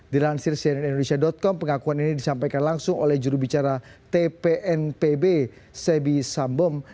dilansir cnn indonesia com pengakuan ini disampaikan langsung oleh jurubicara tpnpb sebi sambom